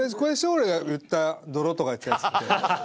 俺が言った泥とか言ってたやつって。